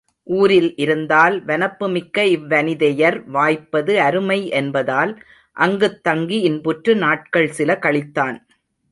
ஊரில் இருந்தால் வனப்புமிக்க இவ் வனிதையர் வாய்ப்பது அருமை என்பதால் அங்குத் தங்கி இன்புற்று நாட்கள் சில கழித்தான்.